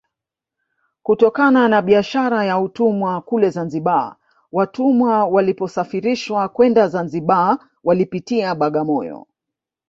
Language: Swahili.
Kutokana na biashara ya utumwa kule Zanzibar watumwa waliposafirishwa kwenda Zanzibar walipitia Bagamoyo